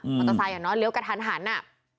ออเตอร์ไซค์เนี่ยเนาะเลี้ยวกันหันอะ